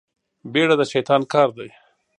بيړه د شيطان کار دی.